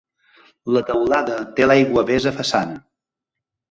La teulada té l'aiguavés a façana.